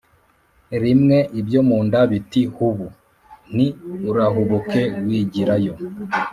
ri mwe/ ibyo mu nda biti hubu/ nti urahubuke w igira yo/